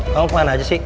kamu kemana aja sih